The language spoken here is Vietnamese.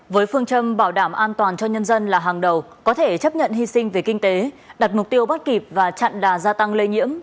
với phương châm bảo đảm an toàn cho nhân dân là hàng đầu có thể chấp nhận hy sinh về kinh tế đặt mục tiêu bắt kịp và chặn đà gia tăng lây nhiễm